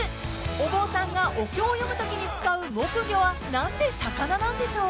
［お坊さんがお経を読むときに使う木魚は何で「魚」なんでしょう？］